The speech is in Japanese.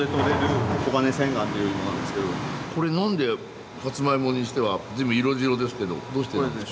これ何でサツマイモにしては随分色白ですけどどうしてなんですか？